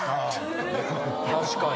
確かに。